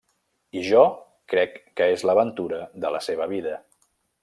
I jo crec que és l'aventura de la seva vida.